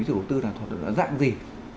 với chủ tư là dạng gì